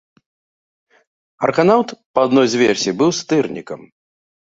Арганаўт, па адной з версій, быў стырнікам.